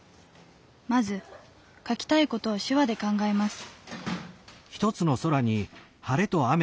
まず書きたい事を手話で考えます。